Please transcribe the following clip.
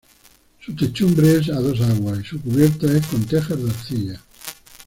Su techumbre es a dos aguas y su cubierta es con tejas de arcilla.